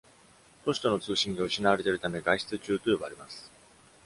都市との通信が失われているため、外出中と呼ばれます。